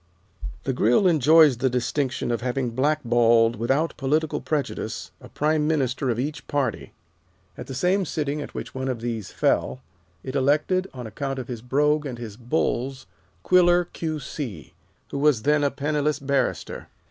The Grill enjoys the distinction of having blackballed, without political prejudice, a Prime Minister of each party. At the same sitting at which one of these fell, it elected, on account of his brogue and his bulls, Quiller, Q. C., who was then a penniless barrister.